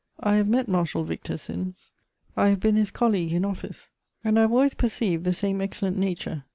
I have met Marshal Victor since; I have been his colleague in office, and I have always perceived the same excellent nature.